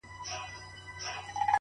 شپه په خندا ده؛ سهار حیران دی؛